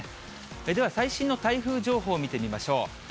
出は最新の台風情報見てみましょう。